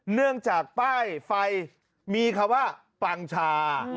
เนื่องจากป้ายไฟมีคำว่าปังชา